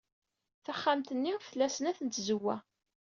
Taxxamt-nni tla snat n tzewwa.